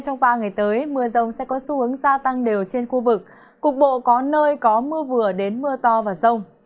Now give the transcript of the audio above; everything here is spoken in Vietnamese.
trong ba ngày tới mưa rông sẽ có xu hướng gia tăng đều trên khu vực cục bộ có nơi có mưa vừa đến mưa to và rông